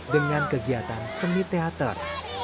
dengan kegiatan seni teater